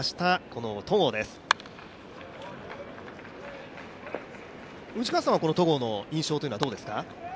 この戸郷です、内川さんはこの戸郷の印象というのはどうですか。